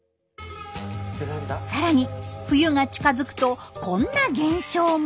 さらに冬が近づくとこんな現象も。